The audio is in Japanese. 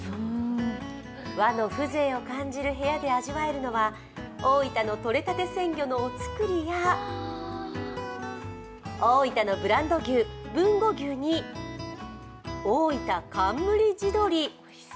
和の風情を感じる部屋で味わえるのが大分の取れたて鮮魚のお造りや大分のブランド牛・豊後牛におおいた冠地鶏。